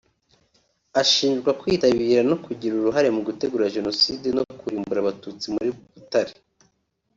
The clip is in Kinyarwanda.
Ashinjwa kwitabira no kugira uruhare mu gutegura Jenoside no kurimbura Abatutsi muri Butare